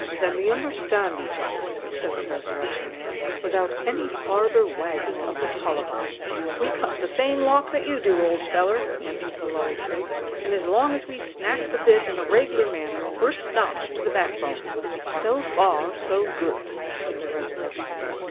"Then we understand each other," said the Resurrection Man, "without any farther wagging of the tollibon." "We cut the same lock that you do, old feller," answered the Lully Prig; "and as long as we snack the bit in a reg'lar manner, we're stanch to the back bone." "So far, so good," said the Resurrection Man.